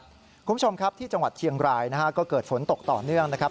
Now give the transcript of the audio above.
คุณผู้ชมครับที่จังหวัดเชียงรายนะฮะก็เกิดฝนตกต่อเนื่องนะครับ